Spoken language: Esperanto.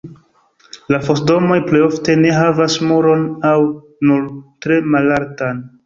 La fos-domoj plej ofte ne havas muron aŭ nur tre malaltan.